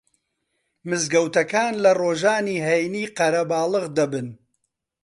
مزگەوتەکان لە ڕۆژانی هەینی قەرەباڵغ دەبن